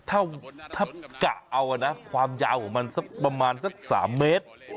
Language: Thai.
ถ้าถ้ากะเอาอ่ะน่ะความยาวของมันสักประมาณสักสามเมตร